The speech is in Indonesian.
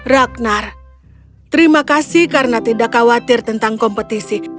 ragnar terima kasih karena tidak khawatir tentang kompetisi